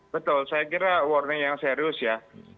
betul saya kira warning yang serius ya